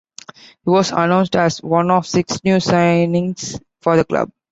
He was announced as one of six new signings for the club.